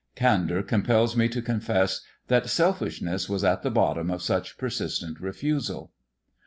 Candour compels me to confess that selfishness was at the bottom of such persistent refusal.